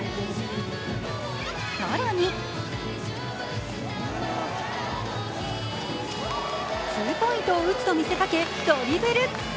更にツーポイントを打つと見せかけ、ドリブル。